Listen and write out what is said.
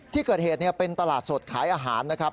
ที่เกิดเหตุเป็นตลาดสดขายอาหารนะครับ